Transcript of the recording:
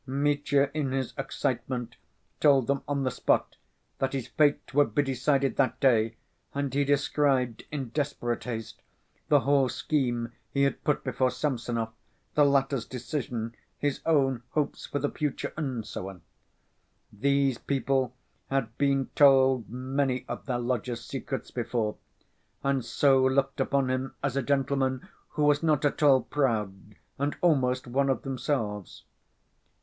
Mitya in his excitement told them on the spot that his fate would be decided that day, and he described, in desperate haste, the whole scheme he had put before Samsonov, the latter's decision, his own hopes for the future, and so on. These people had been told many of their lodger's secrets before, and so looked upon him as a gentleman who was not at all proud, and almost one of themselves.